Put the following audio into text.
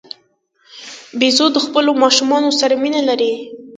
بیزو د خپلو ماشومانو سره مینه لري.